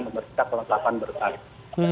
dan memberikan kelengkapan dokumen